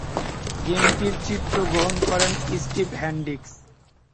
গেমটির চিত্রগ্রহণ করেন Steve Hendrix.